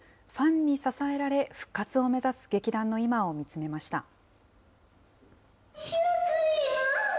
ファンに支えられ、復活を目指す劇団の今を見つめました。